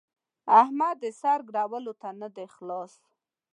احمد د سر ګرولو ته نه دی خلاص.